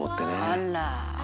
「あら」